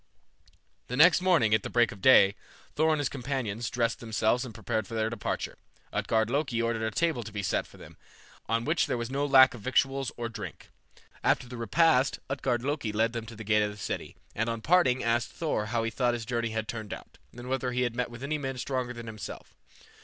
The next morning, at break of day, Thor and his companions dressed themselves and prepared for their departure. Utgard Loki ordered a table to be set for them, on which there was no lack of victuals or drink. After the repast Utgard Loki led them to the gate of the city, and on parting asked Thor how he thought his journey had turned out, and whether he had met with any men stronger than himself.